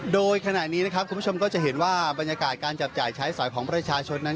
โดยขณะนี้นะครับคุณผู้ชมก็จะเห็นว่าบรรยากาศการจับจ่ายใช้สอยของประชาชนนั้น